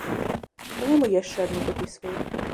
Паэму яшчэ адну дапісваю.